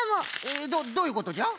えどういうことじゃ？